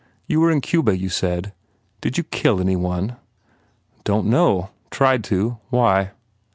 ... You were in Cuba, you said? Did you kill any one?" "Don t know. Tried to. Why?"